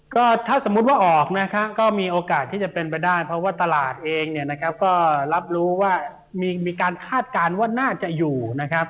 ก็ถ้าสมมุติว่าออกนะครับก็มีโอกาสที่จะเป็นไปได้เพราะว่าตลาดเองเนี่ยนะครับก็รับรู้ว่ามีการคาดการณ์ว่าน่าจะอยู่นะครับ